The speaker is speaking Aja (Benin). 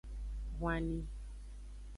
Hwanni.